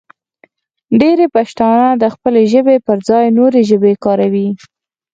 ډېری پښتانه د خپلې ژبې پر ځای نورې ژبې کاروي.